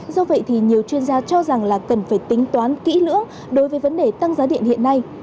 do vậy thì nhiều chuyên gia cho rằng là cần phải tính toán kỹ lưỡng đối với vấn đề tăng giá điện hiện nay